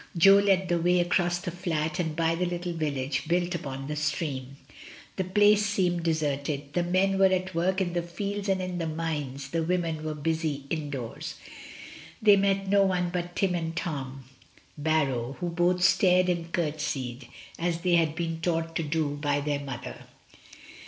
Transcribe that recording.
Jo led the way across the flat and by the little village built upon the stream. The place seemed deserted; the men were at work in the fields and in the mines, the women were busy indoors. They met no one but Tim and Tom Barrow, who both stared and curtsied, as they had been taught to do by their mother.